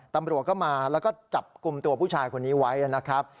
ตำรวจก็มาแล้วก็จับกลุ่มตัวผู้ชายคนนี้ไว้นะครับ